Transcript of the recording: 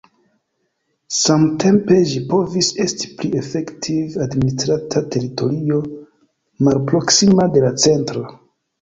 Samtempe ĝi povis esti pli efektive administrata teritorio malproksima de la centro.